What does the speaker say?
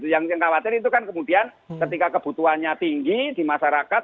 yang khawatir itu kan kemudian ketika kebutuhannya tinggi di masyarakat